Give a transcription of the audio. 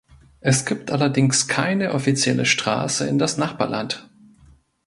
Es gibt allerdings keine offizielle Straße in das Nachbarland.